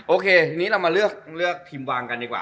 โอเคทีนี้เรามาเลือกทีมวางกันดีกว่า